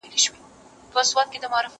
زه کولای سم کتاب وليکم،،